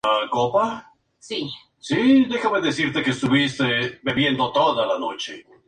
Por esta razón, la ciudad tuvo que ser reconstruida en el periodo de post-guerra.